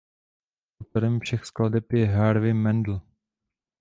Autorem všech skladeb je Harvey Mandel.